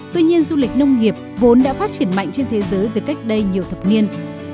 tuy nhiên du lịch nông nghiệp vốn đã phát triển mạnh trên thế giới từ cách đây nhiều thập niên